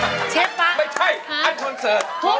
ไม่ใช่อันโคลเซิร์ต